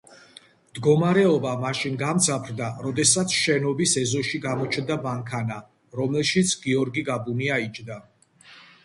მდგომარეობა მაშინ გამძაფრდა, როდესაც შენობის ეზოში გამოჩნდა მანქანა, რომელშიც გიორგი გაბუნია იჯდა.